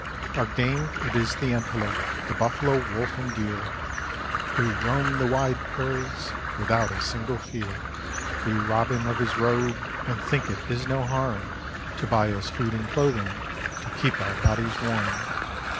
Our game, it is the antelope, the buffalo, wolf, and deer, Who roam the wide prairies without a single fear; We rob him of his robe and think it is no harm, To buy us food and clothing to keep our bodies warm.